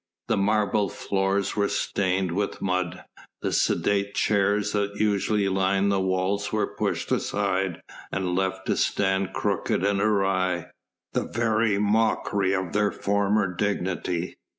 The marble floors were stained with mud. The sedate chairs that usually lined the walls were pushed aside and left to stand crooked and awry, the very mockery of their former dignity.